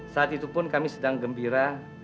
saat itu pun kami sedang gembira